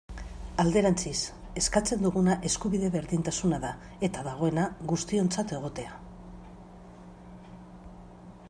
Alderantziz, eskatzen duguna eskubide berdintasuna da, eta dagoena, guztiontzat egotea.